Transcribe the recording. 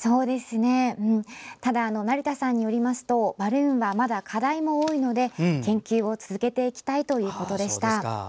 ただ成田さんによりますとバルーンは、まだ課題も多いので研究を続けていきたいということでした。